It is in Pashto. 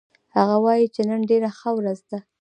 هغه وایي چې نن ډېره ښه ورځ ده